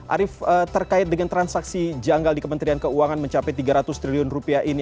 arief terkait dengan transaksi janggal di kementerian keuangan mencapai tiga ratus triliun rupiah ini